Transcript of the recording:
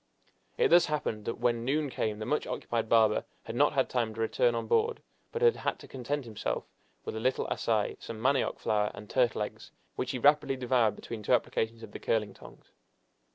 It thus happened that when noon came the much occupied barber had not had time to return on board, but had had to content himself with a little assai, some manioc flour, and turtle eggs, which he rapidly devoured between two applications of the curling tongs.